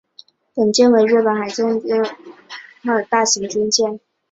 本舰为日本海军第一艘向民间造船厂委托承建的大型军舰。